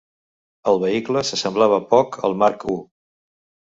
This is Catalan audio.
El vehicle se semblava poc al Mark I.